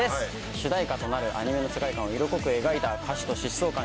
主題歌となるアニメの世界観を色濃く描いた歌詞と疾走感